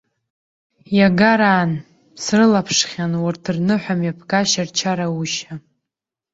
Иагараан срылаԥшхьан урҭ рныҳәамҩаԥгашьа, рчараушьа.